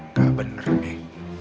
nggak bener nih